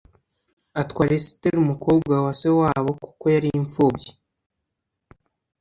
Atwara Esiteri umukobwa wa se wabo kuko yari impfubyi